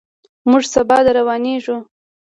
موږ سبا درروانېږو.